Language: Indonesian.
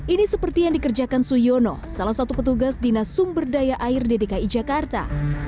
ini seperti yang dikerjakan suyono salah satu petugas dinas sumber daya air di dki jakarta